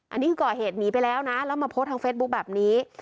อันนี้คือก่อเหตุหนีไปแล้วนะแล้วมาโพสต์ทางเฟซบุ๊คแบบนี้